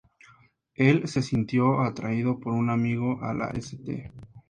Él se sintió atraído por un amigo a la St.